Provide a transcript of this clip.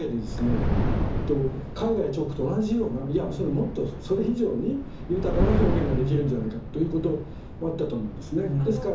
絵画や彫刻と同じようないやもっとそれ以上に豊かな表現ができるんじゃないかということもあったと思うんですね。